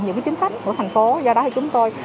những chính sách của tp hcm do đó chúng tôi